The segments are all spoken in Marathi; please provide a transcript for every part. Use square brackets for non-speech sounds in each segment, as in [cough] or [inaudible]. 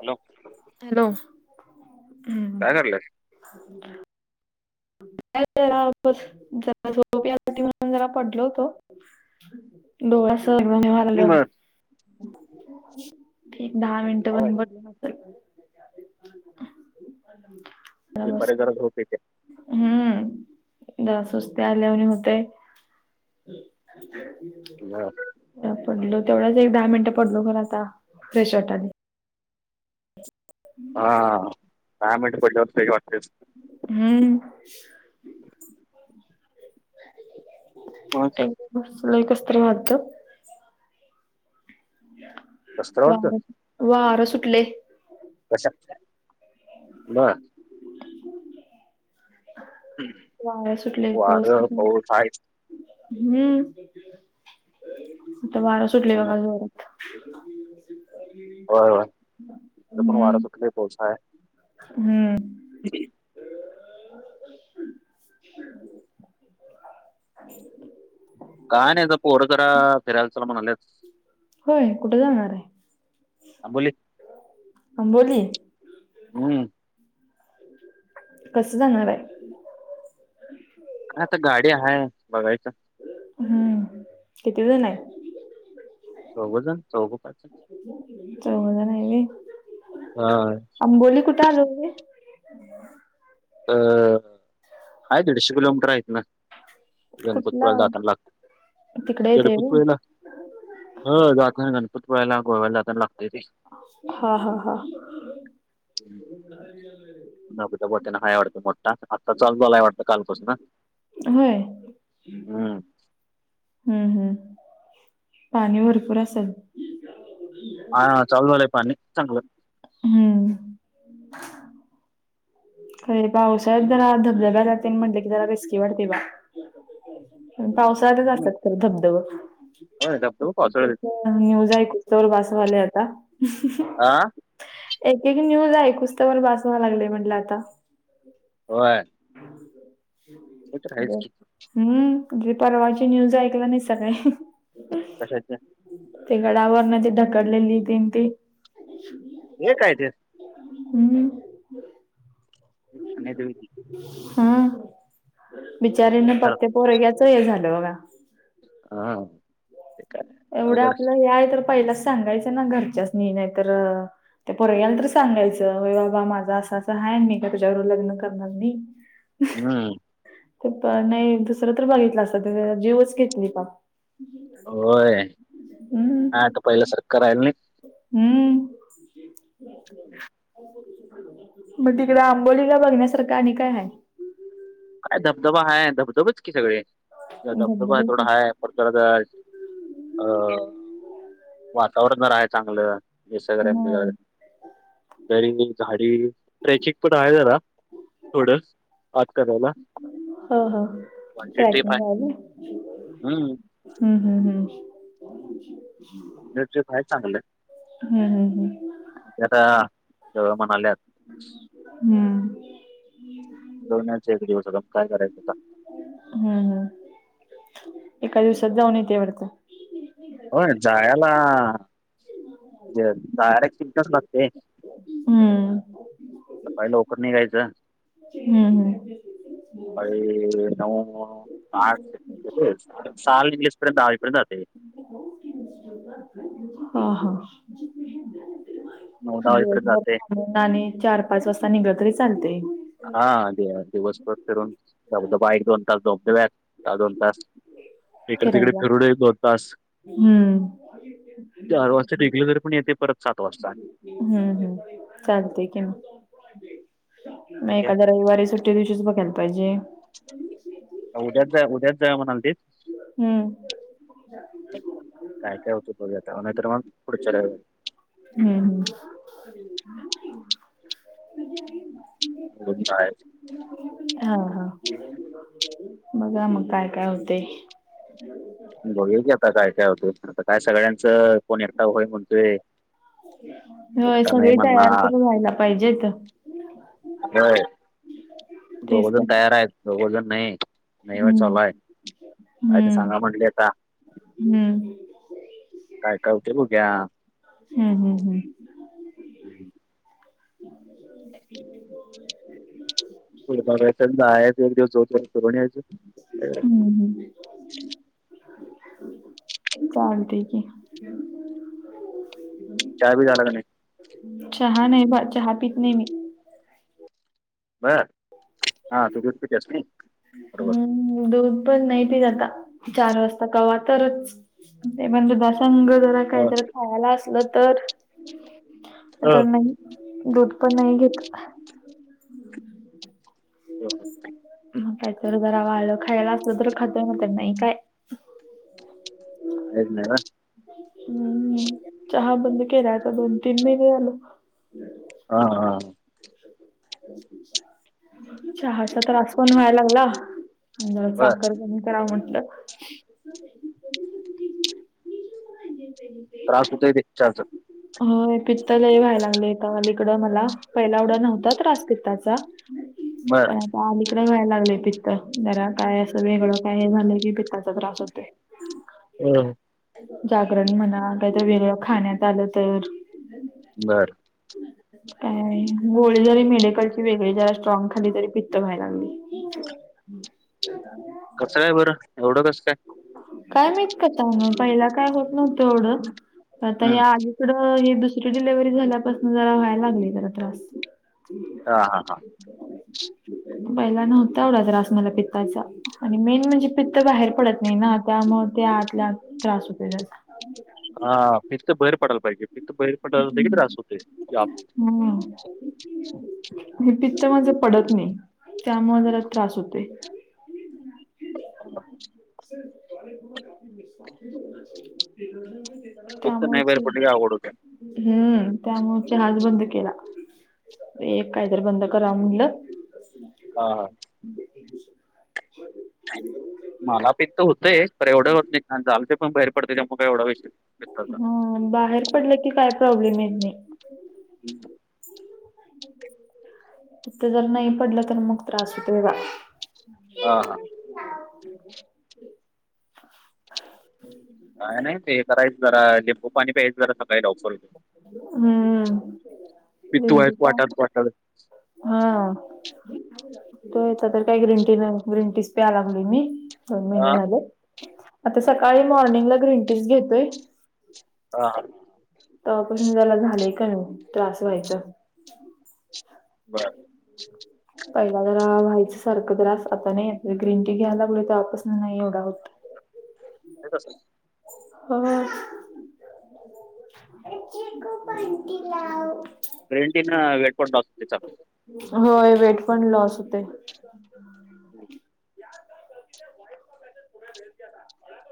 हॅलो हॅलो हम्म. काय कर लस [inaudible] [inaudible] जरा जरा झोप येत होती म्हणून जरा पडलो होतो. डोळा [inaudible] बर ठिक दहा मिनिटं बन ब [inaudible] दुपारी बसलो. जरा झोप येतीया हम्म जरा सुस्ती आल्या वाणी होतंय [inaudible] पडलो तेवढाच एक दहा मिनिटं पडलो खर आता फ्रेश वाटन. ह [inaudible] हा हा दहा मिनट पडल्यावर फ्रेश वाटतेच हम्म [unintelligible] लाय कस तर वाटत. कसतर वाटतं? वार वार सुटले. अशक्य हो ना. वार सुटले पाऊस वारं पाऊस आहेच. हम्म आता वारं सुटले होय बघा जोरात. [inaudible] होय होय इथ पण हम्म वर सुटलंय पाऊस आहे. हम्म काय नाही जरा पोर जरा फिरायल चल म्हणल्यात. होय कुठे जानणार आहे आंबोली आंबोली? हम्म कसं जाणार आहे? काय आता गाडी आहे बघायचं. हम्म कितीजण आहे? चौगजण चौग. चौघ जण आहे होय हा अंबोली कुठे आलो होे? अह हाय दीडशे किलोमीटर आहे इतन. कुठला गणपतीपुळे लं जाताना लागत तिकडे येते व्हय. गणपतीपुळे ल. हो जाता गणपतीपुळ्याला गोव्याला जाताना लागतेय. हा हा हा नगुझ्या बोट्याना हा वाडत मोठा आत्ता चालू झालाय वाटतं कालपासून. होय. हम्म हम्म हम्म पाणी भरपूर असल? ह चालू झालाय पानी चांगलं. हम्म [unintelligible] खे पावसाळ्यात जरा धबधब्या जाते म्हटलं की जरा रेस्की वाटते बा पावसाळ्यात च हम्म. असतात खर धबधब. होय धबधबा पावसाळ्यात न्यूज आहे कुस्तवर बसवाले आता. आह एक एक न्यूज आहे आयकुस्तवर बास व्हालय लागले म्हटलं आता. होय. ते तर आहेच बरं की हम्म परवाची न्यूज ऐकला नाहीसा काय? कशाच? ते गडावर न ते ढकलेली तीन ती. एक कायदा [inaudible] [unintelligible] हम्म अने ते वि [inaudible] हम् बिचारीन खरं. पाप ते पोरग्याच हे झालं बघा. हा ते काय एवढं अवघड आपलं हे आहे तर पहिलाच सांगायचं ना घरच्याचसणी नायतरं. त्या पोरग्याला तर सांगायचं होय बाबा माझं असं असं हाय मी काय तुझ्या बरोबर लग्न करणार नाही. ह् [unintelligible] हम्म. ते पण नाही दुसरं तर बघितलं असत तेचं जीवचं घेतली पाप. हम्म. पहिल्या सारखं काय राहीलं नाही. हम्म. [unintelligible] मग तिकडं आंबोलीला बघण्यासारखं आणि काय आहे? काय धबधबा हाय, धबधबच की सगळे. धबधबा धबधबे थोडा हाय परत परत अ वातावरण जरा आहे चांगलं. हे सगळे आपले गाळे ह आहेत. तरी ही झाडी, ट्रॅचिक पण आहे जरा थोडं. आत करायला. ह.. ह. वनडे ट्रिप ट्रॅकिंग आहे लावलय. हम्म.. हम्म.. हम्म. [unintelligible] ह्याच्यात आहे चांगलं. हम्.. हम्.. हम्म. ते आता, जावुया म्हणाल्यात. हम्म. दोनाचे एक दिवस अजुन, आता काय करायचं आता. हम्.. हम्. एका दिवसात जाऊन येतंय वाटतं. होय, जायाला ज जायाला एक तीन तास लागतंय. हम्म. सकाळी लवकर निघायचं. हम्म हम्म. फाईल, नऊ, आठ. येतयचं, सहाला निघलीस तर दहा वाजेपर्यंत जातंय. [unintelligible] हा.. हा. नऊ दहा वाजेपर्यंत दिवसभर. जाते तितन आणि चार, पाच वाजता निघलं तरी चालतंय. हा दि दिवसभर फिरून. धबधबा एक, दोन तास, धबधब्यात तास दोन तास. इकडे तिकडे फिरायला फिरुन एक दोन तास, हम्म चार वाजता निघलं तरीपण येते परत सात वाजता. हम्म.. हम्म चालतंय कि मग, मग ठीक आहे. एखाद्या रविवारी सु ट्टी दिवशीच बघायला पाहिजे. का उद्याच जा उद्याच जाऊया म्हणालतीस? हम्म. काय काय होतं बघुया आता. नाहीतर मग पुढच्या रविवारी. हम्.. हम्म. [unintelligible] हा.. हा. बघा मग काय काय होतंय. बघुया की आता काय काय होतंय, आता काय सगळ्यांचं कोण एकटा होय म्हणतोय. होय, एकटा नाही सगळे तयार म्हणणार तर व्हायला पाहिजेेत. होय. तेच दोघंजण तर तयार आहेत, दोघंजण नाही. नाही व्हय हम्म, चालु हाय. काय ते हम्म, सांगा म्हटले आता. हम्म, काय काय होते बघू या. हम्म हम्म. हम्म. हम [inaudible] [unintelligible] आहे एक दिवस जोतो. हम्म हम्म. [unintelligible] चालतंय की. चाय बी झाला का नाही? चहा नाही बा चहा पीत नाही मी. बरं हा तू दुध पित्यास नाय. हम्म दूध पण नाही पित आता चार वाजता कवा तरच. ते म्हणलो बसा संघ जरा काही ह जर खायला असलं तर तर त्या नाही दूध पण नाही घेत. काहीच मग काय तर जरा वाडलं खायला असलं तर खात नाही खाय. आहेत नाही ना. हम्म नाही चहा बंद केला आता दोन तीन महिने झालो. आं आं. चहाचा त्रास पण व्हाय लागला जरा बर साखर पण हे कराव म्हटलं. त्रास होतय ते चहाचा. होय पित्त लई व्हायला लागले तो वल इकडं मला पहिला एवढा नव्हता त्रास पित्ताचा बर पण तर अलीकडं व्यायला लागलेय पित्त जरा काय असं वेगळं काय हे झालंय की पित्ताचा त्रास होतोय. [unintelligible] जागरण म्हणा काहीत वेगळ खाण्यात आलं तर. बरं. काय आहे? गोळी जरी मेडिकल ची वेगळी जरा स्ट्रॉग खाल्ली तरी पित्त व्हाय लागली. कसं काय बरं एवढं कसं काय? काय माहित इतकं काय नाय पहिला काय होत नव्हतं एवढं आता हम्म हे. [unintelligible] कडं ही दुसरी डिलेव्हरी झाल्यापासून जरा व्हाय लागली जरा त्रास. हां, [inaudible] [unintelligible] पहिला नव्हता एवढा त्रास मला पित्ताचा आणि मेन म्हणजे पित्त बाहेर पडत नाही ना त्यामुळे ते आतल्या त्रास होतोय जास् हा पित्त बहेर पडायला पाहिजे पित्त बाहेर पडाल होते की त्रास होतय ते आप हम्म [unintelligible] हे पित्त माझं पडत नाही त्यामुळे जरा त्रास होतोय. आ हा. [unintelligible] पित्त नाही त्यामुळेच बाहेर आहे. पडलं की अवघड होतंय. हम्म त्यामुळे चहाज बंद केला एक कायतरी बंद करा म्हटलं. हा हा. मला पित्त होतंय तर एवढं होत नाही कारण जालते पण बाहेर पडते त्याजामुळे काय एवढा विषय नाय. हां बाहेर पडलं की काय प्रॉब्लेम येत नाई. हिथं जर नाही पडलं तर मग त्रास होतो बघा. हां हां [inaudible] काय नाही ते करायच जरा लिंबू पाणी प्यायच जरा सकाळी लवकर उ हुं पित्त लिंबू वाईट पा वाटायला वाटायला. हां तो एका तर त्या ग्रीन टीन ग्रीन टीनच प्याययं लागलोय मी दोन महिने हां, झाल, आता सकाळी मॉर्निंगला ग्रीन टीनच घेतोयं आहाल तेव्हापासून जरा झालंय कमी त्रास व्हायच. बरं पहिला जरा व्हायचं सारखं त्रास आता नायी ग्रीन टी घ्यायोल तवा पासन नाही एवढा होत. तेच असल होच [inaudible] चिकु बंटी लाव. ग्रिन टी वेट [inaudible] होय वेट पण लॉस होतयं. [inaudible] [inaudible]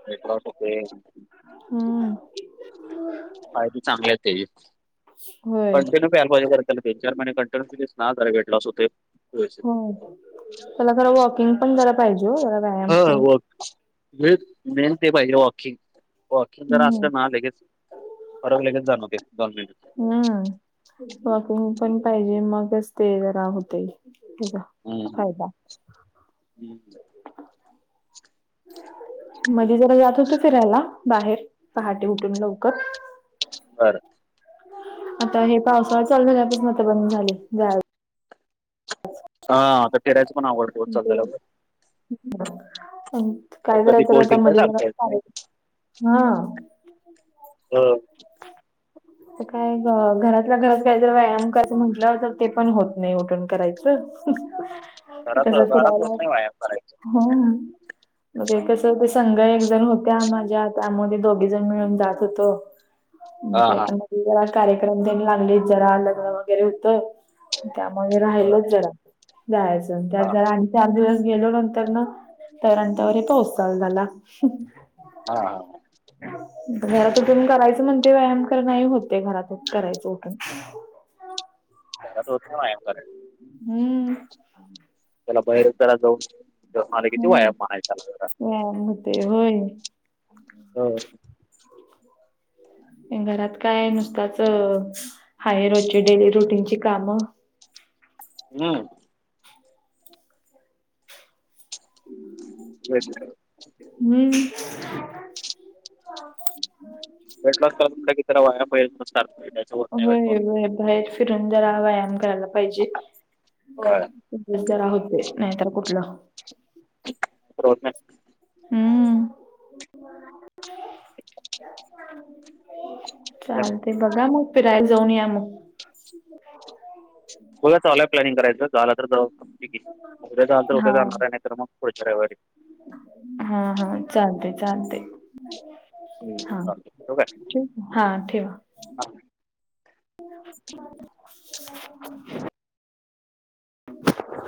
रेकॉर्ड होतंय. हां फायदे चांगले तेजी, होय कंटिन्यू प्यायला पाहिजे खरं. तीन चार महिने कंटिन्यली पिलीस नां तर व्हेटलाॅस होतंय व्यवस्थित. त्याला खर वॉकिंग पण जरा पाहिजे ओ जरा व्यायाम पण [inaudible] मेन ते पाहिेजे वॉकिंग. वॉकिंग जर हम्म असलं ना लगेच फरक लगेच जाणवतोय दोन मिहीन्यात. हां वॉकिंग पण पाहिजे मगच ते जरा होतंय हेज हुं हं मध्ये जरा जात होतो फिरायला बाहेर पहाटे उठून लवकर बरं आता हे पावसाळा चालू झाल्यापासन आता बंद झालय जाया हां आता फिरायच पण आवघड पाऊस चालू ते झाल्यावर. काय कधी करायच आता [inaudible] पोहोचेल काय मधी जरा सांगता येत हां हां आता काय घरातल्या घरात काय तर व्यायाम कराचं म्हटल्यावर ते पण होत नाही उठून करायचं. [inaudible] ते घरात कस घरात होत फिरायलायं नाही व्यायाम करायच हां बघुया कसं होते संघ एकजण होत्या माझ्या त्यामध्ये दोघी जणी मिळुन जात होतो. मग हा ते हा मधी जरा कार्यक्रम तेनी आनंलीत जरा लग्न वगैरे हुतं त्यामुळे बर राहिलच जरा जायाच हा त्यात जरा आ चार दिवस गेलो नंतरनां तरं आणि तोवर पाऊस चालू झाला. हां हां घरात उठून करायचं म्हण ते व्यायाम खर नाही होते घरातच करायच उठून. घरात होत नायी व्यायाम करायचं. हुं त्याला बाहेर, त्याला जाऊन [unintelligible] किती व्यायाम म्हणायचाला. ते, होय? होय. घरात काय नुसताच हाय, रोजची डेली रुटीनची कामं. हम्म. [unintelligible] हम्म. [unintelligible] वाया पाहिजे सारख भेटायचं होत नाही होय वाटतं. बाहेर फिरून जरा व्यायाम करायला पाहिजे. [unintelligible] जरा होते, नाही तर कुठलं [unintelligible] हम्म नाही चालतय. बघा मग, फिरायला जाऊन या मग. हो, चालूय प्लॅनिंग करायचं, झालं तर जाऊ [unintelligible] उद्या झाल तर उद्या हा. जाणार आहे, नाही तर मग पुढच्या रविवारी. हा हा, चालतय चालते. हा, चालतं ठेवू काय ठेवू का? हा, ठेवा. [unintelligible]